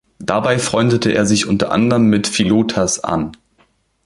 Dabei freundete er sich unter anderem mit Philotas an.